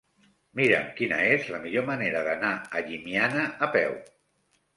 Mira'm quina és la millor manera d'anar a Llimiana a peu.